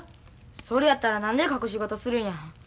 それやったら何で隠し事するんや。